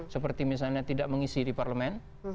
seperti misalnya tidak mengisi di parlemen